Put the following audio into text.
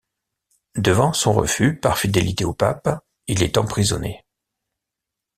Devant son refus, par fidélité au pape, il est emprisonné.